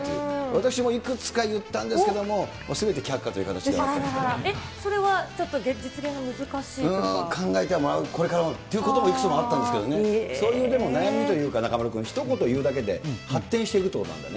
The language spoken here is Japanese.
私もいくつか言ったんですけれどえっ、考えてもらう、うーん、これからということもいくつもあったんですけど、そういうでも悩みというか、中丸君、ひと言いうだけで、発展していくということなんです